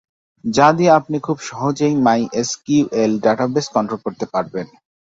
যা দিয়ে আপনি খুব সহজেই মাইএসকিউএল ডাটাবেজ কন্ট্রোল করতে পারবেন।